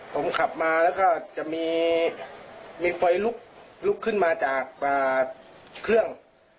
ผมขับมาแล้วก็จะมีไฟลุกขึ้นมาจากเครื่อง